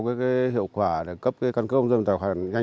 với các cung cấp để rassis truyền tiến r rollers